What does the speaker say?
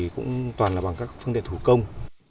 cũng toàn bằng các phương tiện thủ công